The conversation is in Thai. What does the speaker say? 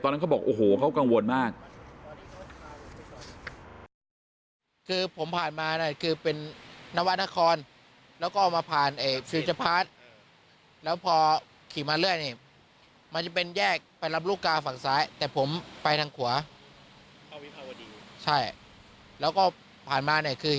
เขาบอกโอ้โหเขากังวลมาก